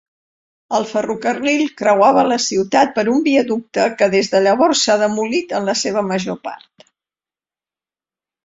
El ferrocarril creuava la ciutat per un viaducte que des de llavors s'ha demolit en la seva major part.